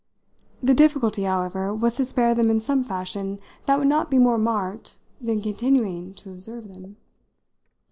The difficulty, however, was to spare them in some fashion that would not be more marked than continuing to observe them.